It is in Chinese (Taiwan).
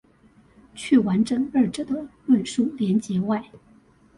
去完整二者的論述連結外